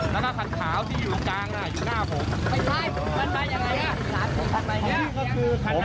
แล้วก็คันขาวที่อยู่กลางอยู่หน้าผม